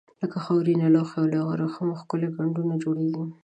لکه خاورین لوښي او له وریښمو ښکلي ګنډونه جوړیږي.